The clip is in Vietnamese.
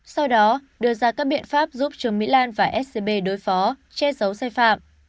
sau đó đưa ra các biện pháp giúp trương mỹ lan và scb đối phó che giấu sai phạm